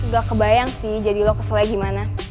gak kebayang sih jadi lo keselnya gimana